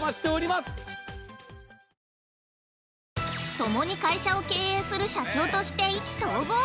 ◆共に会社を経営する社長として意気投合。